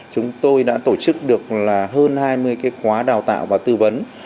chúng tôi đã tổ chức được hơn hai mươi cái khóa đào tạo và tư vấn